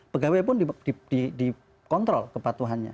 pegawai pun dikontrol kepatuhannya